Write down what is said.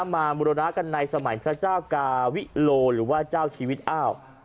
มาบุรณะกันในสมัยพระเจ้ากาวิโลหรือว่าเจ้าชีวิตอ้าว